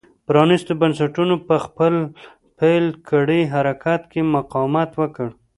پرانېستو بنسټونو په خپل پیل کړي حرکت کې مقاومت وکړ.